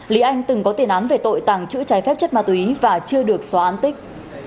lý anh từng có tiền án về tội tàng trữ trái phép chất ma túy và chưa được xóa an tích